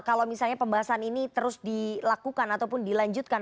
kalau misalnya pembahasan ini terus dilakukan ataupun dilanjutkan